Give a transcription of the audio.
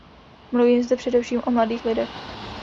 Mluvím zde především o mladých lidech.